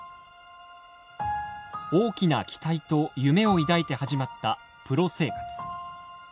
大きな期待と夢を抱いて始まったプロ生活。